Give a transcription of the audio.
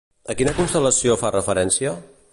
A quina constel·lació fa referència?